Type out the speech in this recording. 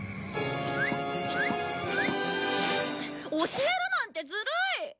教えるなんてずるい！